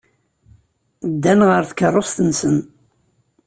Ddan ɣer tkeṛṛust-nsen.